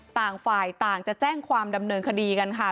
ต่างฝ่ายต่างจะแจ้งความดำเนินคดีกันค่ะ